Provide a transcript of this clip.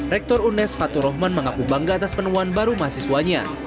rektor unes fathur rahman mengaku bangga atas penuhan baru mahasiswanya